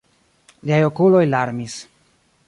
Liaj okuloj larmis.